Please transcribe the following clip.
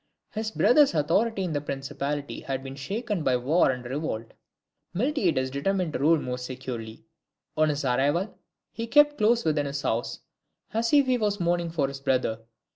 His brother's authority in the principality had been shaken by war and revolt: Miltiades determined to rule more securely. On his arrival he kept close within his house, as if he was mourning for his brother.